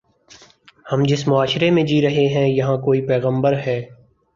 ہم جس معاشرے میں جی رہے ہیں، یہاں کوئی پیغمبر ہے۔